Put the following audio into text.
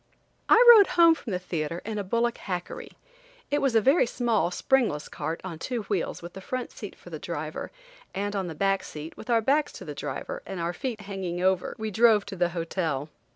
I rode home from the theatre in a bullock hackery. It was a very small springless cart on two wheels with a front seat for the driver, and on the back seat, with our backs to the driver and out feet hanging over, we drove to the hotel.